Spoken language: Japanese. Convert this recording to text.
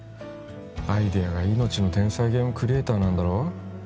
アイデアが命の天才ゲームクリエイターなんだろ？